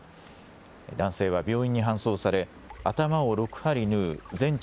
男性は病院に搬送され、頭を６針縫う全治